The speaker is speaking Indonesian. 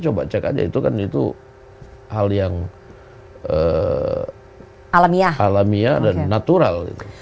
coba cek aja itu kan itu hal yang alamiah dan natural